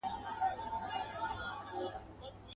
د طاقت له تنستې یې زړه اودلی.